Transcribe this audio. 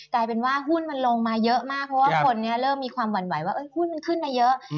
กลายเป็นว่าหุ้นมันลงมาเยอะมากเพราะว่าคนนี้เริ่มมีความหวั่นไหวว่าหุ้นมันขึ้นมาเยอะ